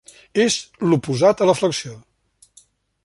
És l'oposat a la flexió.